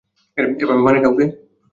এভাবে মারে কাউকে?